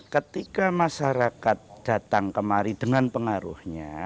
ketika masyarakat datang kemari dengan pengaruhnya